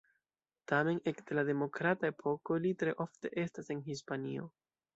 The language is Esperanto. Tamen ekde la demokrata epoko, li tre ofte estas en Hispanio.